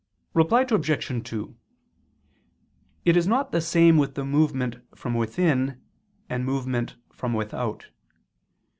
Reply Obj. 2: It is not the same with movement from within and movement from without.